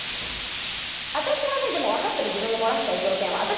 私はねでもわかってる自分が漏らしちゃう条件は。